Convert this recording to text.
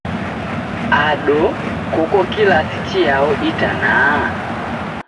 Ado, koko kilasi chiyao itanaha?